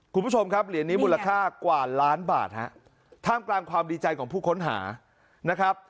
คุณผู้ชมครับเหรียญนี้มูลค่ากว่าล้านบาทฮะท่ามกลางความดีใจของผู้ค้นหานะครับ